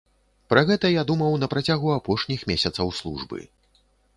Пра гэта я думаў на працягу апошніх месяцаў службы.